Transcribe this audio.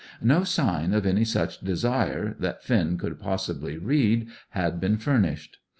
No sign of any such desire, that Finn could possibly read, had been furnished.